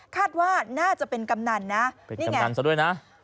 คาดว่าน่าจะเป็นกำนันนะนี่ไงกำนันซะด้วยนะ